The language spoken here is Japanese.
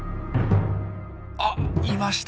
あっいました。